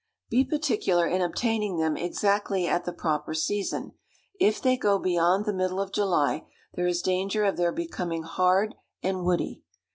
Be particular in obtaining them exactly at the proper season; if they go beyond the middle of July, there is danger of their becoming hard and woody.